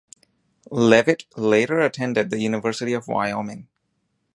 Levitt later attended the University of Wyoming.